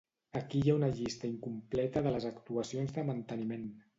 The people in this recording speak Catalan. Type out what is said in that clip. Aquí hi ha una llista incompleta de les actuacions de manteniment.